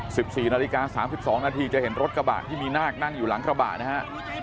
สิบสี่นาฬิกาสามสิบสองนาทีจะเห็นรถกระบะที่มีนาคนั่งอยู่หลังกระบะนะฮะ